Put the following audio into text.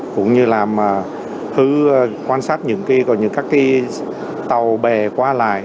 cũng như là quan sát những cái gọi như các cái tàu bè qua lại